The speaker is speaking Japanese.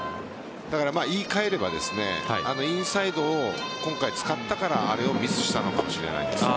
言い換えればインサイドを今回使ったからあれをミスしたのかもしれないです。